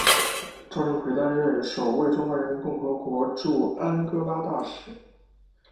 赵振魁担任首位中华人民共和国驻安哥拉大使。